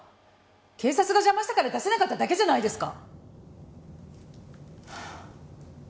「警察が邪魔したから出せなかっただけじゃないですか」